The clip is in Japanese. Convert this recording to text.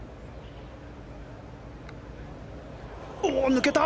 抜けた！